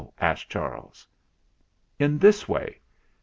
asked Charles. "In this way.